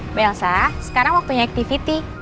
mbak elsa sekarang waktunya activity